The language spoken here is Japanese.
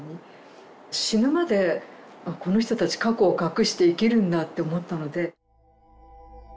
死ぬまでこの人たち過去を隠して生きるんだって思ったので。